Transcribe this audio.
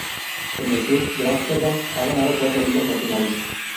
Con el club de Ámsterdam ha ganado cuatro ligas nacionales.